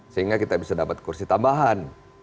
sehingga kita bisa dapat kursi tambahan